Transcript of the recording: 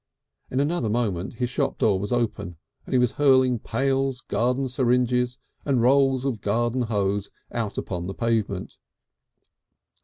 In another moment his shop door was open and he was hurling pails, garden syringes, and rolls of garden hose out upon the pavement.